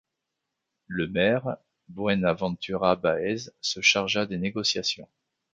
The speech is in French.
Le maire, Buenaventura Báez, se chargea des négociations.